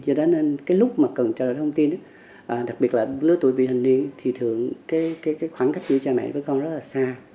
do đó nên cái lúc mà cần trao đổi thông tin á đặc biệt là lứa tuổi viên thành niên thì thường cái khoảng cách giữa cha mẹ với con rất là xa